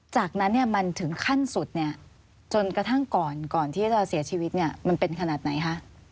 จากนั้นมันถึงขั้นสุดจนกระทั่งก่อนที่เราเสียชีวิตมันเป็นขนาดไหนคะ